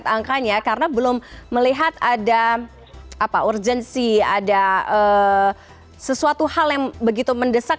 angkanya karena belum melihat ada urgency ada sesuatu hal yang begitu mendesak